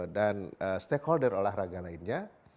dan stakeholder olahraga lainnya